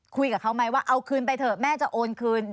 คุยกับเขาไหมว่าเอาคืนไปเถอะแม่จะโอนคืน